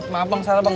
maaf bang salah bang